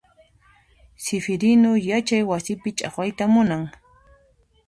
Sifirinu yachay wasipi chaqwayta munan.